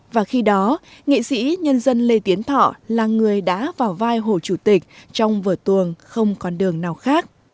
và khi đó nghệ sĩ nhân dân lê tiến thọ là người đã vào vai hồ chủ tịch trong vở tuồng không còn đường nào khác